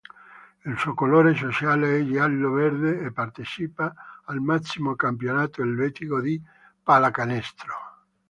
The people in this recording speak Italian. Il suo colore sociale è giallo-verde e partecipa al massimo campionato elvetico di pallacanestro.